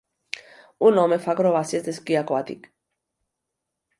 Un home fa acrobàcies d'esquí aquàtic.